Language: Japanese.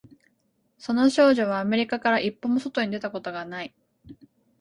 その少女はアメリカから一歩も外に出たことがない